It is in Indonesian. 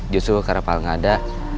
justru ke arah pak angga ada